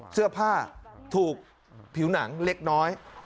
เสื้อผ้าถูกผิวหนังเล็กน้อย